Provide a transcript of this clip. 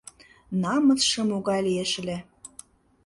Намысше могай лиеш ыле.